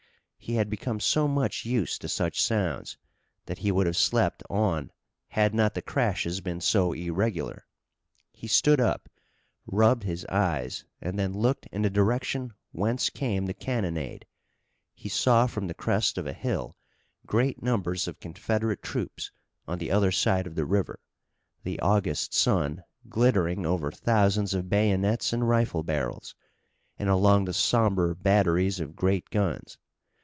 He had become so much used to such sounds that he would have slept on had not the crashes been so irregular. He stood up, rubbed his eyes and then looked in the direction whence came the cannonade. He saw from the crest of a hill great numbers of Confederate troops on the other side of the river, the August sun glittering over thousands of bayonets and rifle barrels, and along the somber batteries of great guns.